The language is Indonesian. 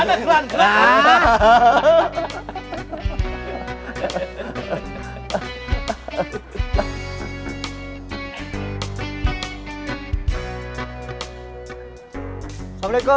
kayaknyacong harus berangkat sama guru yola